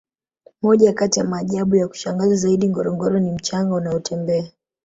moja kati ya maajabu ya kushangaza zaidi ngorongoro ni mchanga unaotembea